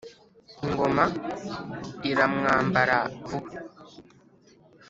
ingoma iramwambara vuba.